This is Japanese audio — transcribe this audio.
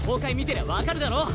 てりゃわかるだろ？